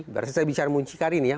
berarti saya bicara muncikari nih ya